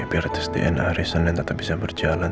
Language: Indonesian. biar tes dna rison yang tetap bisa berjalan